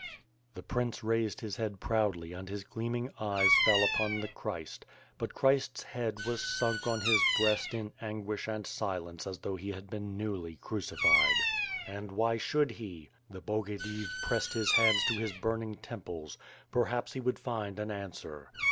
^ The prince raised his head proudly and his gleaming eyes fell upon the Christ; but Christ's head was sunk on his breast in anguish and silence as though he had been newly crucified. And why should he? The bogadiv pressed his hands to his burning temples — perhaps he would find an answer.